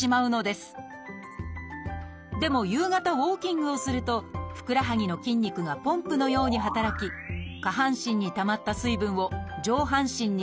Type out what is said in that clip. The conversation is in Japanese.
でも夕方ウォーキングをするとふくらはぎの筋肉がポンプのように働き下半身にたまった水分を上半身に戻すことができます。